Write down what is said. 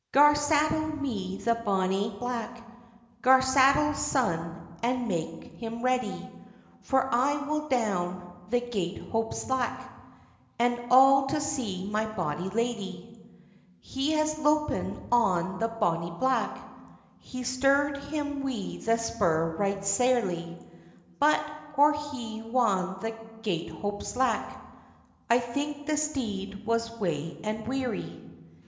"Gar saddle me the bonny black,— Gar saddle sune, and make him ready: For I will down the Gatehope Slack, And all to see my bonny ladye."— He has loupen on the bonny black, He stirr'd him wi' the spur right sairly; But, or he wan the Gatehope Slack, I think the steed was wae and weary.